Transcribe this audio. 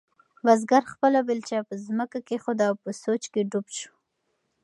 بزګر خپله بیلچه په ځمکه کېښوده او په سوچ کې ډوب شو.